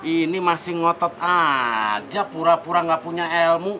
ini masih ngotot aja pura pura gak punya ilmu